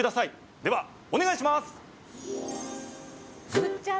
では、お願いします！